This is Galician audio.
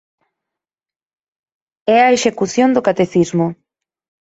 É a execución do catecismo.